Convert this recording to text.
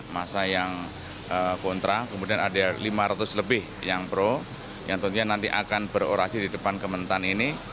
masa yang kontra kemudian ada lima ratus lebih yang pro yang tentunya nanti akan berorasi di depan kementan ini